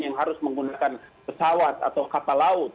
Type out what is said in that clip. yang harus menggunakan pesawat atau kapal laut